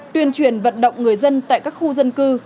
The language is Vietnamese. tuyên truyền vận động người dân tại các khu dân cư